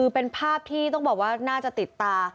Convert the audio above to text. เป็นภาพที่ต้องบอกว่าน่าจะติดตา